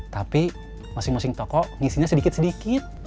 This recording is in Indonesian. tapi masing masing toko ngisinya sedikit sedikit